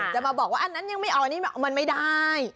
จะมาบอกว่าอันนั้นยังไม่ออกอันนี้มันไม่ได้